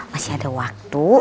masih ada waktu